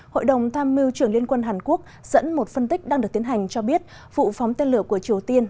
hội đồng tham mưu trưởng liên quân hàn quốc dẫn một phân tích đang được tiến hành cho biết vụ phóng tên lửa của triều tiên